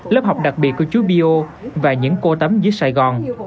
lớp học đặc biệt của chú bio và những cô tắm dưới sài gòn